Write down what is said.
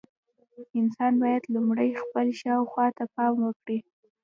انسان باید لومړی خپل شاوخوا ته پام وکړي.